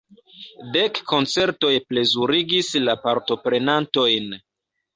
Dek koncertoj plezurigis la partoprenantojn.